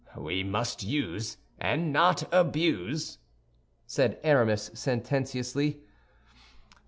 "We must use, and not abuse," said Aramis, sententiously.